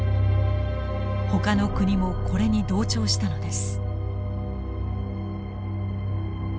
ほかの国もこれに同調したのです。